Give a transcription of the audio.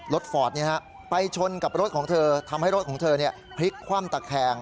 รถฝอดนี้นะฮะไปชนกับรถของเธอทำให้รถของเธอเนี่ยพลิกคว่ำตะแคง